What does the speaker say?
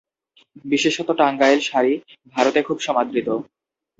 বিশেষত টাঙ্গাইল শাড়ি ভারতে খুব সমাদৃত।